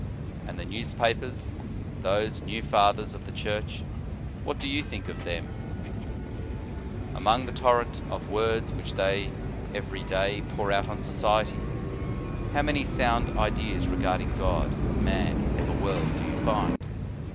And the newspapers, those new Fathers of the Church, what do you think of them? 86 The Sign of the Cross Among the torrent of words which they every day pour out on society, how many sound ideas regarding God, man, or the world, do you find?